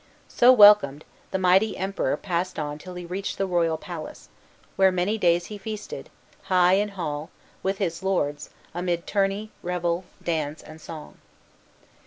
So welcomed, the mighty Emperor passed on till he reached the royal palace, where many days he feasted, high in hall, with his lords, amid tourney, revel, dance, and song.